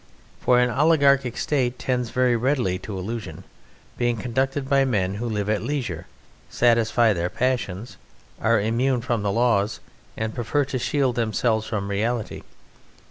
For an oligarchic State tends very readily to illusion, being conducted by men who live at leisure, satisfy their passions, are immune from the laws, and prefer to shield themselves from reality.